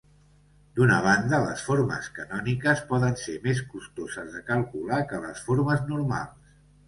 D'una banda, les formes canòniques poden ser més costoses de calcular que les formes normals.